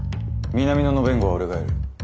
南野の弁護は俺がやる。